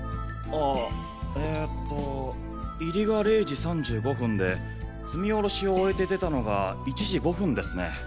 あえと入りが０時３５分で積み降ろしを終えて出たのが１時５分ですね。